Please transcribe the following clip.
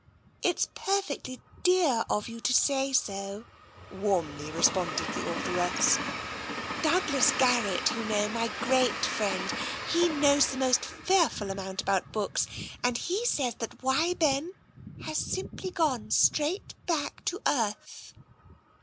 " It's perfectly dear of you to say so," warmly re sponded the authoress. " Douglas Garrett, you know, my great friend, he knows the most fearful amount about books, and he says that ' Why, Ben !' has simply gone straight back to earth."